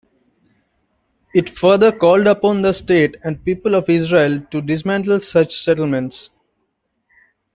It further called upon the State and people of Israel to dismantle such settlements.